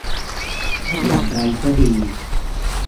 อย่างไรก็ดี